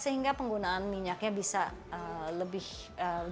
sehingga penggunaan minyaknya bisa lebih